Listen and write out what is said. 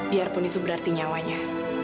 biarpun itu berarti nyawanya